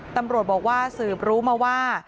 ตำรวจบอกว่าสืบรู้มาว่า